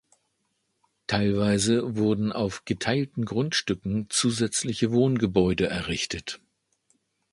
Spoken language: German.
Teilweise wurden auf geteilten Grundstücken zusätzliche Wohngebäude errichtet.